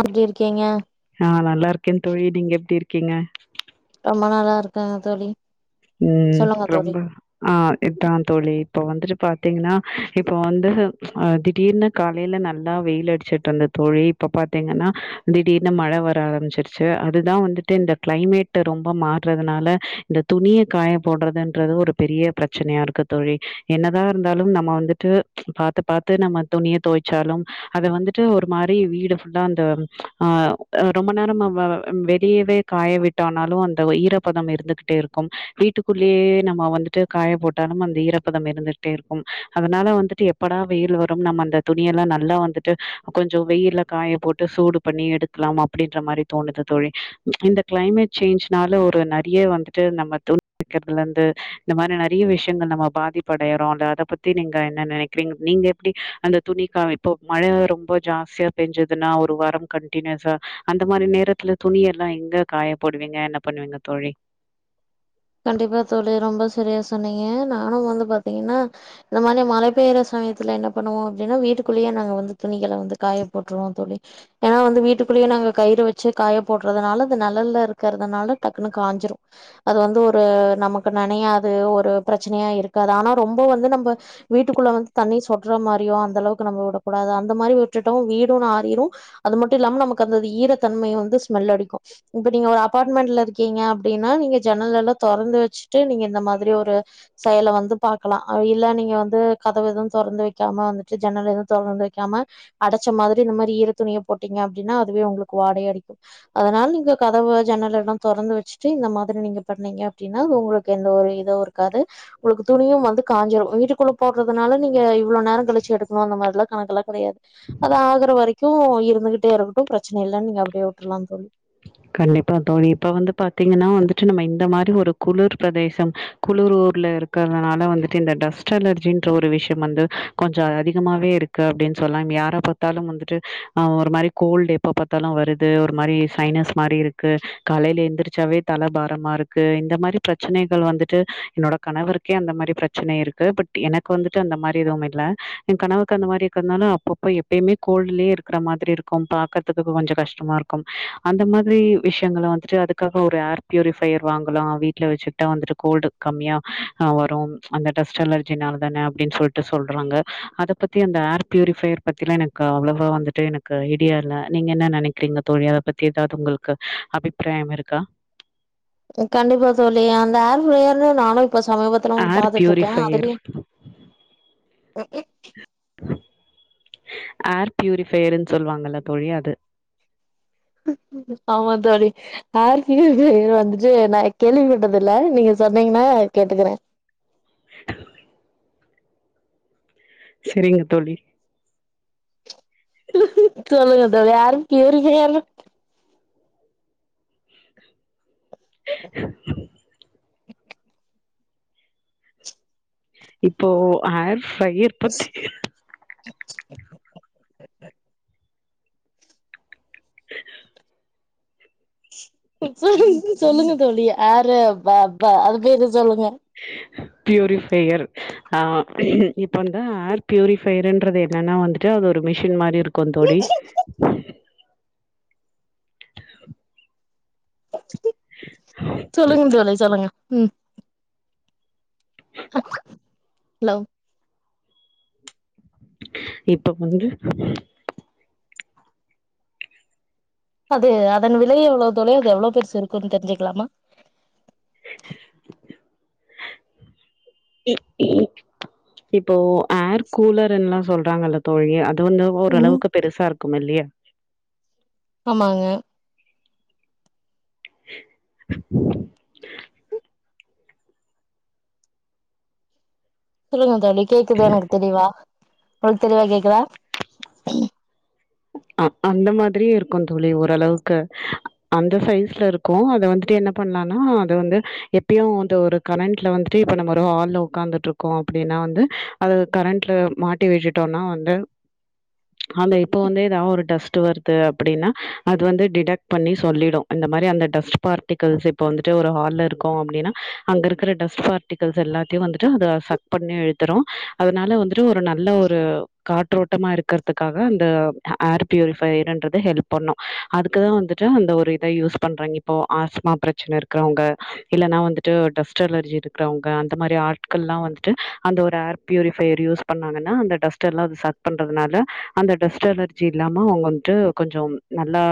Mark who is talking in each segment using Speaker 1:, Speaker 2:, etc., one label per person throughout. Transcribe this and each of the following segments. Speaker 1: எப்டி இருக்கீங்க
Speaker 2: ஆ நா நல்லா இருக்கேன் தோழி நீங்க எப்டி இருக்கீங்க
Speaker 1: ரொம்ப நல்லா இருக்கேங்க தோழி
Speaker 2: ம்
Speaker 1: சொல்லுங்க தோழி
Speaker 2: ரொம்ப ஆ இதா தோழி இப்ப வந்துட்டு பாத்தீங்கன்னா இப்ப வந்து அ திடீர்னு காலையில நல்லா வெயில் அடிச்சுட்ருந்தது தோழி இப்ப பாத்தீங்கன்னா திடீர்னு மழ வர ஆரம்பிச்சிரு ச்சு அதுதா வந்துட்டு இந்த க்ளைமேட் ரொம்ப மாறதுனால இந்த துணிய காய போட்றதுன்றது ஒரு பெரிய பிரச்சனையா இருக்கு தோழி என்னதா இருந்தாலும் நம்ம வந்துட்டு பாத்து பாத்து நம்ம துணிய தொவச்சாலும் அத வந்துட்டு ஒரு மாரி வீடு ஃபுல்லா அந்த ஆ ரொம்ப நேரமா வெளியவே காய விட்டானாலு அந்த ஒரு ஈரப்பதம் இருந்துகிட்டே இருக்கும் கும் வீட்டுக்குள்ளேயே நம்ம வந்துட்டு காய போட்டாலும் அந்த ஈரப்பதம் இருந்துட்டே இருக்கும் அதனால வந்துட்டு எப்படா வெயில் வரும் நம்ம அந்த துணியெல்லா நல்லா வந்துட்டு கொஞ்சொ வெயில்ல காய போட்டு சூடு பண்ணி எடுக்லாம் அப்டின்ற மாரி தோணுது தோழி இந்த க்ளைமேட் சேஞ்ச்னால ஒரு நறைய வந்து ட்டு நம்ம து துவைக்கறதுல இருந்து இந்த மாரி நறைய விஷயங்கள் நம்ம பாதிப்படையரோ இல்ல அத பத்தி நீங்க என்ன நெனைக்கிறீங்க நீங்க அப்டி அந்த துணிக்காய இப்போ மழை ரொம்ப ஜாஸ்தியா பெஞ்சதுன்னா ஒரு வாரம் கண்டனியூஸா அந்த மாரி நேரத்துல துணி எல்லா எங்க காய போடுவீங்க என்ன பண்ணுவீங்க தோழி
Speaker 1: கண்டிப்பா தோழி ரொம்ப சரியா சொன்னீங்க நானும் வந்து பாத்தீங்கன்னா இந்த மாரி மழை பெய்யற சமயத்துல என்ன பண்ணுவோ அப்டின்னா வீட்டுக்குள்ளேயே நாங்க வந்து துணிகளை வந்து காய போட்ருவோ தோழி ஏன்னா வந்து வீட்டுக்குள்ளேயே நாங்க கயிறு வச்சு காய போட்றதனால அது நெலல்ல இருக்கறதனால டக்குன்னு காஞ்சிரு அது வந்து ஒரு நமக்கு நனையாது ஒரு பிரச்சனையா இருக்காது ஆனா ரொம்ப வந்து நம்ப வீட்டுக்குள்ள வந்து தண்ணி சொட்ற மாரியோ அந்த அளவுக்கு நம்ம விடக்க கூடாது அந்த மாரி விட்டுட்டோ வீடூ நாரிரூ அது மட்டு இல்லாம நமக்கு அந்த ஈரத்தன்மையு வந்து ஸ்மெல் அடிக்கூ இப்ப நீங்க ஒரு அபார்ட்மெண்ட்ல இருக்கீங்க அப்டின்னா நீங்க ஜன்னல் எல்லா தொறந்து வச்சுட்டு நீங்க இந்த மாதிரி ஒரு செயல வந்து பாக்கலா இல்ல நீங்க வந்து கதவு எதுவு தொறந்து வைக்காம வந்துட்டு ஜன்னல் எதுவு தொறந்து வைக்காம அடச்ச மாதிரி இந்த மாரி ஈர துணிய போட்டீங்க அப்டின்னா அதுவே உங்களுக்கு வாடை அடிக்கூ அதனால நீங்க கதவு ஜன்னல எல்லா தொறந்து வச்சுட்டு இந்த மாதிரி நீங்க பண்ணீங்க அப்டின்னா உங்களுக்கு எந்த ஒரு இதுவு இருக்காது உங்களுக்கு துணியு வந்து காஞ்சிரும் வீட்டுக்குள்ள போட்றதுனால நீங்க இவ்ளோ நேரங் கழிச்சு எடுக்கணு அந்தமார்ல்லா கணக்கல்லா கடையாது அது ஆகுற வரைக்கூ இருந்துகிட்டே இருக்கட்டூ பிரச்சனை இல்லன்னு நீங்க அப்டியே விட்டுர்லா தோழி
Speaker 2: கண்டிப்பா தோழி இப்ப வந்து பாத்தீங்கன்னா வந்துட்டு நம்ம இந்த மாரி ஒரு குளுர் பிரதேசம் குளுர் ஊர்ல இரு இருக்றதுனால வந்துட்டு இந்த டஸ்ட் அலர்ஜின்ற ஒரு விஷயம் வந்து கொஞ்சொ அதிகமாவே இருக்கு அப்டின் சொல்லாம் யார பாத்தாலு வந்துட்டு அ ஒரு மாரி கோல்டு எப்ப பாத்தாலு வருது ஒரு மாரி சைனஸ் மாரி இருக்கு கலைல எந்திரிச்சாவே தல பாரமா இருக்கு இந்த மாரி பிரச்சனைகள் வந்துட்டு என்னோட கணவருக் கே அந்த மாரி பிரச்சன இருக்கு பட் எனக்கு வந்துட்டு அந்த மாரி எதுவு இல்ல என் கணவர்க்கு அந்த மாரி இருக்கனால அப்பப்ப எப் எப்பயுமே கோல்டுலயே இருக்கிற மாதிரி இருக்கும் பாக்கறதுக்கு கொஞ்சோ கஷ்டமா இருக்கும் அந்த மாத் திரி விஷ்யங்கள வந்துட்டு அதுக்காக ஒரு ஏர் ப்யூரிஃபையர் வாங்கலா வீட்ல வச்சுட்டா வந்துட்டு கோல்டு கம்மியா ஆ வரும் அந்த டஸ்ட் அலர்ஜினால தான அப்டின்டு சொல்ட்டு சொல்றாங்க அத பத் பத்தி அந்த ஏர் ப்யூரிஃபையர் பத்திலா எனக்கு அவ்ளவா வந்துட்டு எனக்கு ஐடியா இல்ல நீங்க என்ன நெனைக்கிறீங்க தோழி அத பத் தி ஏதாவ்து உங்களுக்கு அபிப்பிராயம் இருக்கா
Speaker 1: ம் கண்டிப்பா தோழி அந்த அர் ப்ரேயர்ன்னு நானு இப்ப சமீபத்துல வந்து
Speaker 2: ஏர்
Speaker 1: பாத்துட் இருக்கே
Speaker 2: பியூரிஃபையர்
Speaker 1: அதுலயு உஹ
Speaker 2: ஏர் ப்யூரிபையருன் சொல்வாங்கல்ல தோழி அது
Speaker 1: ஆமா தோழி ஏர் ப்யூரிபையர் வந்துட்டு நா கேள்விப்பட்டது இல்ல நீங்க சொன்னீங்கன்னா கேட்டுக்குறே
Speaker 2: சரிங்க தோழி
Speaker 1: சொல்லுங்க தோழி ஏர் ப்யூரிபையர்னா [inaudible]
Speaker 2: இப்போ ஏர் ஃப்ரையர் பத்தி
Speaker 1: [unintelligible] சொல்லுங் சொல்லுங்க தோழி ஏரு பா பா அது பேரு சொல்லுங்க
Speaker 2: [inaudible] ப்யூரிஃபையர் ஆ இப்பந்தா ஏர் ப்யூரிஃபையர்ன்றது என்னன்னா வந்து டு அது ஒரு மிஷின் மாரி இருக்குந் தோழி
Speaker 1: சொல்லுங்க தோழி சொல்லுங்க ம் அ ஹலோ
Speaker 2: இப்போ வந்து
Speaker 1: அது அதன் விலை எவ்ளோ தொழி அது எவ்ளோ பெர்ஷு இருக்குன் தெரிஞ்சிக்லாமா
Speaker 2: உ உ இப்போ அர் கூலருன்லா சொல்றாங்கல்ல தோழி அது வந்து
Speaker 1: ம்.
Speaker 2: ஓரளவுக்கு பெருசா இருக்கும் இல்யா
Speaker 1: ஆமாங்க சொல்லுங்க தோழி கேக்குது எனக்கு தெளிவா உங்ளுக்கு தெளிவா கேக்குதா
Speaker 2: ஆ அந்த மாத்ரியு இருக்குந்தோழி ஓரளவுக்கு அந்த சைஸ்ல இருக் கு அத வந்துட்டு என்ன பண்லனா அது வந்து எப்பயு இந்த ஒரு கரண்ட்ல வந்துட்டு இப்ப நம்ம ஒரு ஹால்ல உக்காந்துட்டு இருக் கொ அப்டின்னா வந்து அது கரண்ட்ல மாட்டி வச்சுட்டோனா வந்து ஆம்பே இப்போ வந்தே ஏதாவ் ஒரு டஸ்ட் வர்து அப்டின்னா அது வந்து டிடெக்ட் பண்ணி சொல்லிடு இந்த மாரி அந்த டஸ்ட் பார்டிகல்ஸ் இப்ப வந்துட்டு ஒரு ஹால்ல இருக்கோ அப்டின்னா அங்க இருக்ற டஸ்ட் பார்ட்டிகல்ஸ் எல்லாத்தயு வந்துட்டு அது சக் பண்ணி இழுத்துறோ அதனால வந்துட்டு ஒரு நல்ல ஒரு காற்றோட்டமா இருக்றதுக்காக அந்த அ அர் ப்யூரிஃபயர்ன்றது ஹெல்ப் பண்ணு அதுக்குதா வந்துட்டு அந்த ஒரு இத யூஸ் பண்றாய்ங்க இப்போ ஆஸ்மா பிரச்சன இருக்றவங்க இல்லன்னா வந்துட்டு டஸ்ட் அலர்ஜி இருக்றவங்க அந்த மாரி ஆட்கள்ல்லா வந்துட்டு அந்த ஒரு அர் ப்யூரி ஃபையர் யூஸ் பண்ணாங்கன்னா அந்த டஸ்ட் எல்லா அது சக் பண்றதுனால அந்த டஸ்ட் அலர் ஜி இல்லாம அவங்க வந்த்ட்டு கொஞ்சொ நல்லா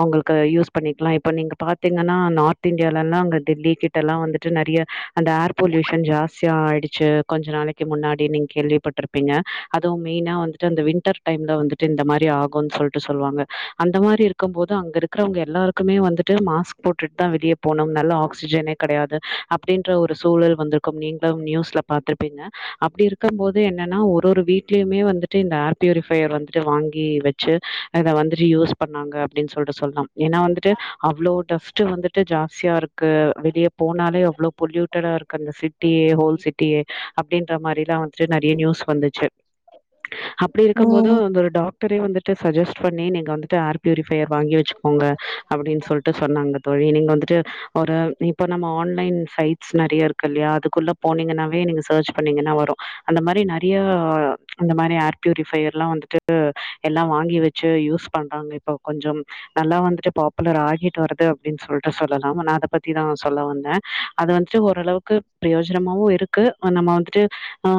Speaker 2: அவங்களுக்கு யூஸ் பண்ணிக்லா இப்ப நீங்க பாத் திங்கனா நார்த் இந்தியாலல்லா அங்க டெல்லிக்கிட்டலா வந்துட்டு நறிய அண்ட் ஏர் பொல்யூஷன் ஜாஸ்தியா ஆய்டுச்சு கொஞ்ச நாளைக்கு முன்னாடி நீங் கேள்விப்பட்ருப்பீங்க அதுவு மெயினா வந்துட்டு அந்த வின்டர் டைம்ல வந்துட்டு இந்த மாரி ரி ஆகுனு சொல்ட்டு சொல்வாங்க அந்த மாரி இருக்கம்போது அங்க இருக்குறவ்ங்க எல்லாருக்குமே வந்துட்டு மாஸ்க் போட்டுட்தா வெளிய போனு நல்ல ஆக்சிஜனே கடையாது அப்டின்ற ஒரு சூழல் வந்துருக்கு நீங்ளம் நியூஸ்ல பா்த்துருப்பீங்க அப்டி இருக்கம்போது என்னனா ஒரு ஒரு வீட்லயுமே வந்துட்டு இந்த ஏர் பியூரிஃபையர் வந்துட்டு வாங் கி வெச்சு அத வந்துட்டு யூஸ் பண்ணாங்க அப்டின் சொல்ட்டு சொல்லா ஏனா வந்துட்டு அவ்ளோ டஃப்ட்டு வந்துட்டு ஜாஸ்தியா இருக்கு வெளிய போனாலே அவ்ளோ பொல்யூட்டடா இருக்கு கந்த சிட்டியே ஹோல் சிட்டியே அப்டின்ற மாரிலா வந்துட்டு நறிய நியூஸ் வந்துச்சு அப்டி இருக்கம்போது
Speaker 1: ம்
Speaker 2: அந்த ஒரு டாக்டரே வந்துட்டு சஜஸ்ட் பண்ணி நீங்க வந்துட்டு ஏர் பியூரிஃபையர் வாங்கி வச்சுக்கோங்க அப்டின் சொல்ட்டு சொன்னாங்க தோழி நீங்க வந்துட்டு ஒரு இப்ப நம்ம ஆன்லைன் சைட்ஸ் நறைய இருக்கு இல்யா அதுக்குள்ள போனீங்கன்னாவே நீங்க சர்ச் பண்ணீங்கன்னா வரு அந்த மாரி நறியா இந்த மாரி ஏர் ப்யூரிஃபையர்லா வந்துட்டு எல்லா வாங்கி வச்சு யூஸ் பண்றாங்க இப்ப கொஞ்சம் நல்லா வந்துட்டு பாப்புலர் ஆகிட் வருது அப்டின் சொல்ட்டு சொல்லலா அனா அத பத்திதா சொல்ல வந்த அது வந்துட்டு ஓர் அளவுக்கு ப்ரயோஜனமாவு இருக்கு அ நம்ம வந்துட்டு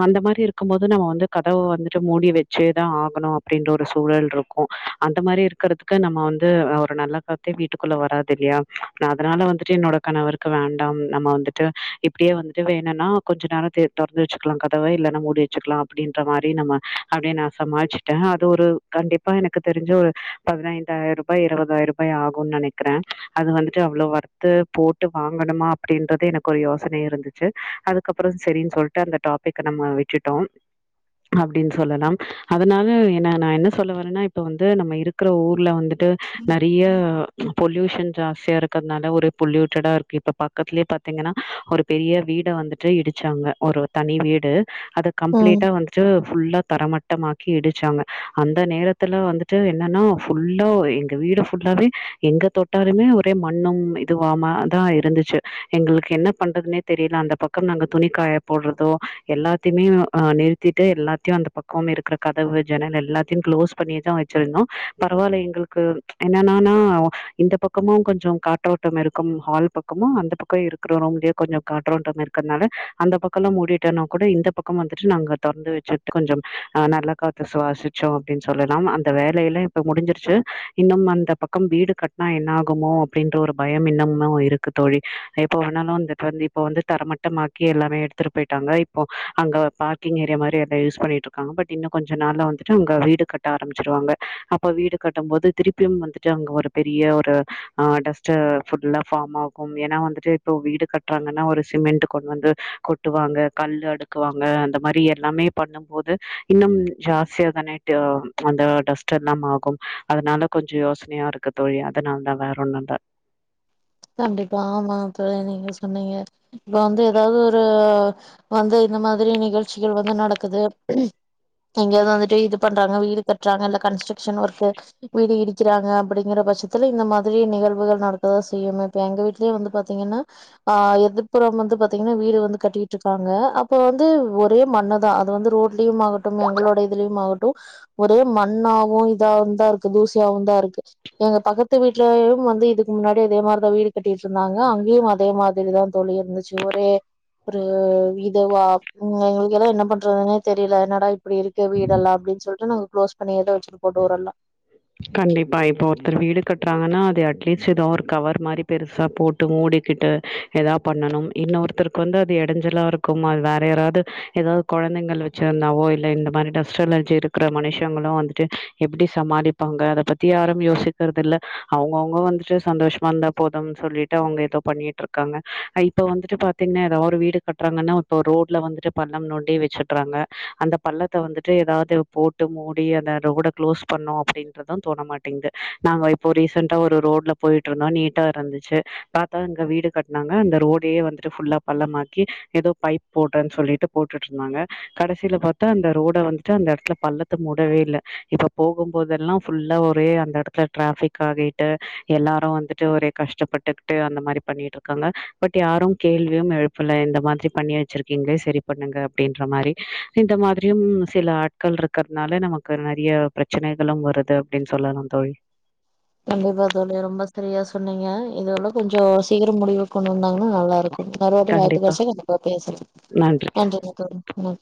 Speaker 2: அந்த மாரி இருக் கும்மோது நம்ம வந்து கதவ வந்துட்டு மூடி வெச்சேதா ஆகணு அப்டின்ற ஒரு சூழல்ருக்கு அந்த மாரி இருக்குறதுக்கு நம்ம வந்து ஒரு நல்ல காத்தே வீட்டுக்குள்ளே வராது இல்யா நா அதனால வந்துட்டு என்னோட கணவருக்கு வேண்டாம் நம்ம வந்துட்டு இப்டியே வந்துட்டு வேணுன்னா கொஞ்ச நேரதே தொற்ந்து வெச்சுக்லா கதவ இல்லன்னா மூடி வச்சுற்லா அப்புடின்ற மாரி நம்ம அப்டியே நா சமால்ச் ட அது ஒரு கண்டிப்பா எனக்கு தெரிஞ்சு ஒரு பதினைந்தாயிருபா இருவதாயர்பாய் ஆகுன் நெனை குறே அது வந்துட்டு அவ்ளோ வர்த்து போட்டு வாங்கணுமா அப்டின்றது எனக்கு ஒரு யோசன இருந்துச் அதுக்கப்புற செரின் சொல்ட்டு அந்த டாபிக் நம்ம விட்டுட்டோ அப்டின் சொல்லலாம் தனால என்ன நா என்ன சொல்ல வரேன்னா இப்ப வந்து நம்ம இருக்குற ஊர்ல வந்துட்டு நறிய பொல்யூஷன் ஜாஸ்தியா இருக்கத்னால ஒரே பொல்யூட்டடா இருக்கு இப்ப பக்கத்லே பாத்தீங்கனா ஒரு பெரிய வீட வந்துட்டு இடிச்சாங்க ஒரு தனி வீடு அத
Speaker 1: ம்
Speaker 2: கம்ப்ளீட்டா வந்துட்டு ஃபுல்லா தரமட்டமாக் கி இடிச்சாங்க அந்த நேரத்துல வந்துட்டு என்னனா ஃபுல்லா எங்க வீடு ஃபுல்லாவே எங்க தொட் டாலுமே ஒரே மண்ணும் இதுவாம தா இருந்துச்சு எங்குளுக்கு என்ன பண்றதுனே தெரிய்ல அந்த பக்கம் நாங்க துணிக் காயபோட்றதோ எல்லாத்யுமே அ நிறுத்திட்டு எல்லாத்யு அந்த பக்கம் இருக் க்ற கதவு ஐனல் எல்லாத்யு க்ளோஸ் பண்ணி தா வச்சிருந்தோ பரவால்ல எங்குளுக்கு என்னனானா இந்த பக்கமு கொஞ்ச காட்றோட்டம் இருக்கும் ஹால் பக்கமு அந்த பக்க இருக் குற ரூம்லே கொஞ்ச காற்றோற்றம் இருக்கற்னால அந்த பக்கல்லா முடிட்டனா கூட இந்த பக்கம் வந்துட்டு நாங்க தொற்ந்து வெச்சு கொஞ்சம் அ நல்ல காத்த சுவாசிச்சோ அப்டின் சொல்லலாம் அந்த வேலையல்லா இப்ப முடிஞ்சிருச்சு இன்னும் அந்த பக் கம் வீடு கட்னா என்ன ஆகுமோ அப்டின்ற ஒரு பயம் இன்னமும்மோ இருக்கு தோழி எப்ப வேணாலு அந்த [unintelligible] இப்ப வந்து தரமட்டமாக்கி எல்லாமே எடுத்துடரு பொய்ட்டாங்க இப்போ அங்க பார்கிங் ஏரியா மாரி எல்லா யூஸ் பண்ணிட்ருக் காங் பட் இன்னு கொஞ்ச நாள் வந்துட்டு அங்க வீடு கட்ட ஆரமிச்சிருவாங்க அப்ப வீடு கட்டம்போது திருப் திரும் வந்துட்டு அங்க ஒரு பெரிய ஒரு டெஸ்ட்டு ஃபுட்ல ஃபாம் ஆகும் ஏன்னா வந்துட்டு ரோ வீடு கட்றாங்கனா ஒரு சிமெண்ட்டு கொண் வந்து கொட்டுவாங்க கல் அடுக்குவாங்க அந்த மாரி எல்லாமே பண் ணம் போது இன்னம் ஜாஸ்தியா தானே டு அந்த டஸ்ட் எல்லாம் ஆகும் அதனால கொஞ்ச யோஸ்னயா இருக்குது தோழி அதனால்தா வேற ஒன்னு இல்ல
Speaker 1: கண்டிப்பா ஆமா இப்ப தா நீங்க சொன்னீங்க இங்க வந்து எதாவ்து ஒரு வந்து இந்த மாதுரி நிகழ்ச்சிகள் வந்து நடக்குது எங்கயாவது வந்துட்டு இது பண்றாங்க வீடு கட்டுறாங்க இல்ல கன்ஸ்ட்ரக்ஷன் ஒர்க்கு வீடு இடிக்கிறாங்க அப்படிங்கிற பட்சத்துல இந்த மாதிரி நிகழ்வுகள் நடக்கதா செய்யுங்க இப்ப எங்கவீட்லயு வந்து பாத்தீங்கன்னா ஆ எதுர்புறம் வந்து பாத்தீங்கன்னா வீடு வந்து கட்டிட்டு இருக்காங்க அப்ப வந்து ஒரே மண்ணு தா அது வந்து ரோட் லியும் ஆகட்டும் எங்களோட இதுலயும் ஆகட்டும் ஒரே மண்ணாவு இதாவு தா இருக்கு தூசியாவு தா இருக்கு எங்க பக்கத்து வீட்லயு வந்து இதுக்கு முன்னாடி இதே மாரிதா வீடு கட்டிட்டு இருந்தாங்க அங்கேயு அதே மாதிரிதா தோழி இருந்துச்சு ஒரே ஒரு இதுவா உ எங்களுக்கு எல்லா என்ன பண்றதுன்னே தெரியல என்னடா இப்டி இருக் கு வீடெல்லா அப்டின்னு சொல்ட்டு நாங்க க்ளோஸ் பண்ணியேதா வச்சிருப்போ டோரெல்லா
Speaker 2: கண்டிப்பா இப்ப ஒருத்தர் வீடு கட்டுறாங்கன்னா அது அட்லீஸ்ட் ஏதோ ஒரு கவர் மாரி பெருசா போட் டு மூடிக்கிட்டு ஏதாவது பண்ணனும் இன்னொருத்தருக்கு வந்து அது எடஞ்சலா இருக்குமா அது வேற யாராவது ஏதாவது குழந்தைகள் வச்சிருந்தாவோ இல்ல இந்த மாரி டஸ்ட் அலர்ஜி இருக்கினற மனுஷங்களு வந்துட்டு எப்படி சமாளி இருப்பாங்க அத பத்தி யாரும் யோசிக்கறது இல்ல அவுங்கவுங்க வந்துட்டு சந்தோஷமா இருந்தா போதும்னு சொல்லிட்டு அவுங்க ஏதோ பண்ணிட் ருக்காங்க அ இப்ப வந்துட்டு பாத்தீங்கன்னா ஏதாவ ஒரு வீடு கட்டுறாங்கன்னா இப்ப ரோட்ல வந்துட்டு பள்ளம் நோண்டி வச்சுட்டுறாங்க அந்த பள்ளத்த வந்துட்டு ஏதாவது போட்டு மூடி அந்த ரோட க்ளோஸ் பண்ணு அப்டின்னு தோண மாட்டேங்து நாங்க இப்போ ரீசண்டா ஒரு ரோட்ல போயிட்டு இருந்தோ நீட்டா இருந்துச்சு பாத்தா அங்க வீடு கட்னாங்க அந்த ரோடையே வந்துட்டு ஃபுல்லா பள்ளமாக்கி ஏதோ பைப் போட்டன்னு சொல்லிட்டு போட்டுட்டு இருந்தாங்க கடைசியில பாத்தா அந்த ரோட வந்துட்டு அந்த எடத்துல பல்ல த்த மூடவே இல்ல இப்ப போகும் போதெல்லா ஃபுல்லா ஒரு அந்த எடத்துல ட்ராபிக் ஆகிட்டு எல்லாரு வந்துட்டு ஒரே கஷ்டப்பட்டுட்டு அந்த மாரி பண்ணிட்டு இரு க்காங்க பட் யாரு கேள்வியு எழுப்பல இந்த மாதிரி பண்ணி வச்சிருக்கீங்களே செரி பண்ணுங்க அப்டின்ற மாரி இந்த மாரியும் சில ஆட்கள் இருக்கிறதுனால நமக்கு நறைய பிரச்சனைகளும் வரு அப்டின்னு சொல்லலா தோழி
Speaker 1: கண்டிப்பா தோழி ரொம்ப சரியா சொன்னீங்க இதலா கொஞ்சோ சீக்கிரம் முடிவு கொண்டு வந்தாங்கன்னா நல்லா இருக் கு இன்னொறுவாட்டி வாய்பு கெடச்ச கண்டிப்பா பேசனு
Speaker 2: நன்றி
Speaker 1: நன்றிங்க தோழி